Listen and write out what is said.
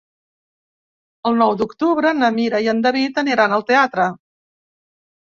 El nou d'octubre na Mira i en David aniran al teatre.